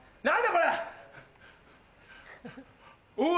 これ！